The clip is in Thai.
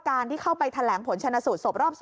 ที่เข้าไปแถลงผลชนะสูตรศพรอบ๒